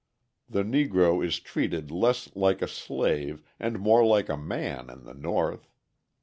The Negro is treated less like a slave and more like a man in the North.